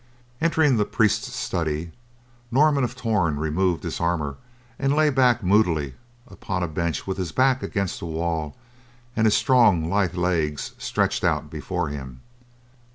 Entering the priest's study, Norman of Torn removed his armor and lay back moodily upon a bench with his back against a wall and his strong, lithe legs stretched out before him.